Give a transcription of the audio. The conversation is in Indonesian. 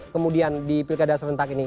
kemudian di pilkada serentak ini